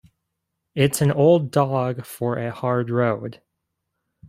It's an old dog for a hard road.